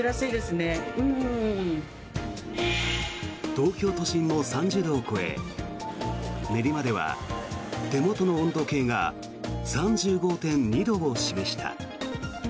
東京都心も３０度を超え練馬では手元の温度計が３５．２度を示した。